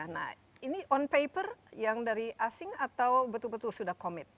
nah ini on paper yang dari asing atau betul betul sudah komit